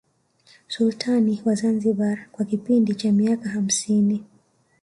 Sultani wa Zanzibar kwa kipindi cha miaka hamsini